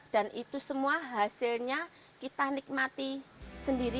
dan itu semua hasilnya kita nikmati sendiri